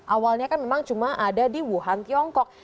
awalnya kan memang cuma ada di wuhan tiongkok